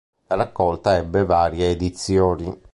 La raccolta ebbe varie edizioni.